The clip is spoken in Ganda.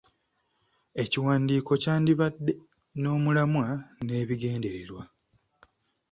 Ekiwandiiko kyandibadde n'omulamwa n'ebigendererwa.